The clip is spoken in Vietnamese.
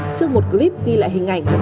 trước một clip ghi lại hình ảnh